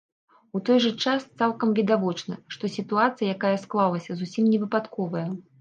У той жа час цалкам відавочна, што сітуацыя, якая склалася, зусім не выпадковая.